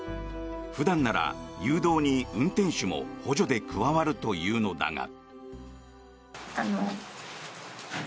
普段なら誘導に運転手も補助で加わるというのだが。